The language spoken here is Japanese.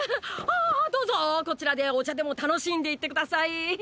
あぁぁっどうぞこちらでお茶でも楽しんでいって下さい！！